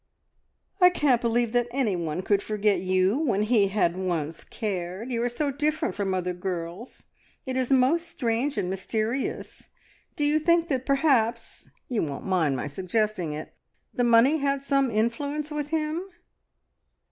"I can't believe that anyone could forget you when he had once cared. You are so different from other girls. It is most strange and mysterious. Do you think that perhaps you won't mind my suggesting it the money had some influence with him?